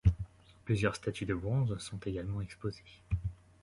Plusieurs statues de bronze sont également exposée.